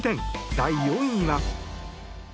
第４位は。